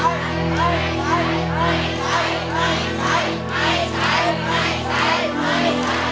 ไม่ใช้